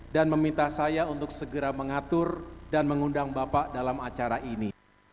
dan meminta saya untuk segera mengatur dan mengundang bapak dalam acara ini